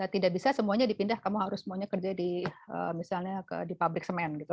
tidak bisa semuanya dipindah kamu harus semuanya kerja di misalnya di pabrik semen gitu